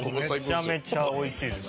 めちゃめちゃ美味しいです。